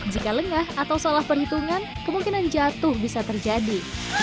jika lengah atau salah perhitungan kemungkinan jatuh bisa terjadi